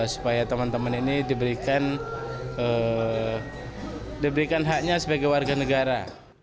supaya teman teman ini diberikan haknya sebagai warga negara